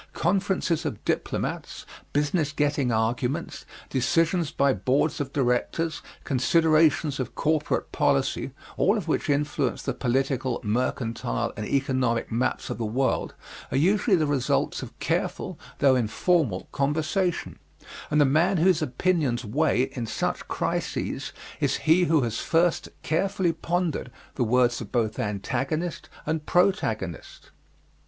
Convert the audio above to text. Conferences of diplomats, business getting arguments, decisions by boards of directors, considerations of corporate policy, all of which influence the political, mercantile and economic maps of the world, are usually the results of careful though informal conversation, and the man whose opinions weigh in such crises is he who has first carefully pondered the words of both antagonist and protagonist.